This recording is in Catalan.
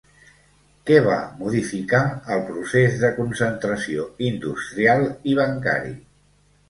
Què va modificar el procés de concentració industrial i bancari?